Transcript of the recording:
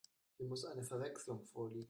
Hier muss eine Verwechslung vorliegen.